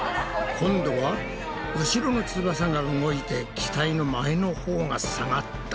今度は後ろの翼が動いて機体の前のほうが下がった。